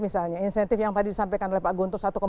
misalnya insentif yang tadi disampaikan oleh pak guntur